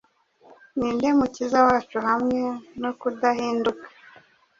Ninde mukiza wacu hamwe no kudahinduka